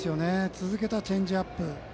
続けたチェンジアップ。